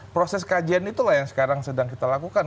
proses kajian itulah yang sekarang sedang kita lakukan